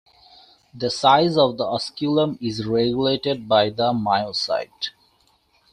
The size of the osculum is regulated by the myocyte.